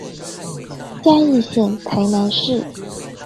嘉義縣臺南市